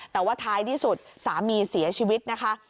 แต่ว่าท้ายที่สุดสามีเสียชีวิตนะคะ